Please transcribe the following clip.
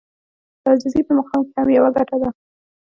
د عاجزي په مقام کې هم يوه ګټه ده.